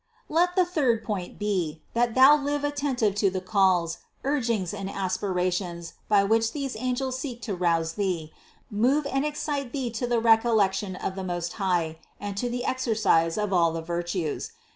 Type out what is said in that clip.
377. Let the third point be, that thou live attentive to the calls, urgings and aspirations, by which these angels seek to rouse thee, move and excite thee to the recollec tion of the Most High and to the exercise of all the virtues.